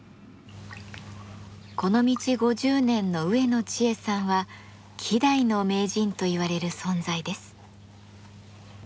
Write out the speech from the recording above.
この道５０年の植野知恵さんは希代の名人といわれる存在です。